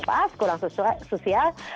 ya pas kurang sosial